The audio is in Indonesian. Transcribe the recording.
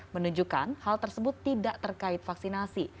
menunjukkan hal tersebut tidak terkait vaksinasi